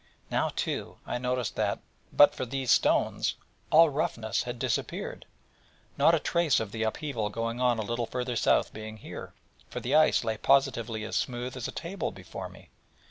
Now, too, I noticed that, but for these stones, all roughness had disappeared, not a trace of the upheaval going on a little further south being here, for the ice lay positively as smooth as a table before me.